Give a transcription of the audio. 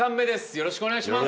よろしくお願いします